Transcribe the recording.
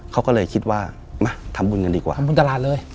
เขาก็เลยคิดว่ามาทำบุญกันดีกว่าทำบุญตลาดเลย